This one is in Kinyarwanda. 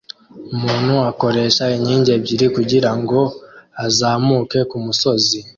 Umuntu akoresha inkingi ebyiri kugirango azamuke kumusozi